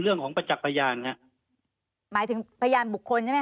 เรื่องของประจักษ์พยานฮะหมายถึงพยานบุคคลใช่ไหม